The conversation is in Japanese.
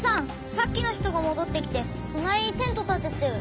さっきの人が戻ってきて隣にテント立ててる。